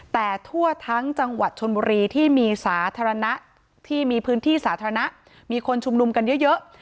แต่ทั่วทั้งจังหวัดชนบุรีที่มีสาธารณะที่มีพื้นที่สาธารณะมีคนชุมนุมกันเยอะ